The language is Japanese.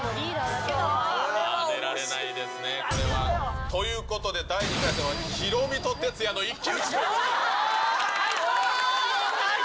負けられないですね、これは。ということで、第２問目はヒロミと鉄矢の一騎打ちと。